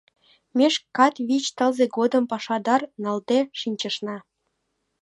Ме шкат вич тылзе годым пашадар налде шинчышна.